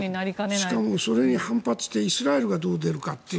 しかも、それに反発してイスラエルがどう出るかという。